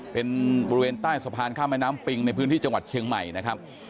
เป็นบริเวณใต้สะพานข้ามแม่น้ำปิงในพื้นที่จังหวัดเชียงใหม่นะครับ